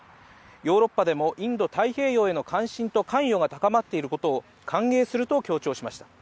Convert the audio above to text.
ヨーロッパでもインド太平洋への関心と関与が高まっていることを歓迎すると強調しました。